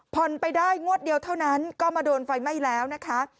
ไปได้งวดเดียวเท่านั้นก็มาโดนไฟไหม้แล้วนะคะ